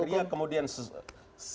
iya jadi hari ini kalau dia berteriak kemudian